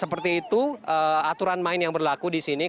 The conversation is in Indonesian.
seperti itu aturan main yang berlaku di sini